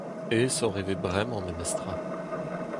Aesoc'h e vez bremañ memes tra.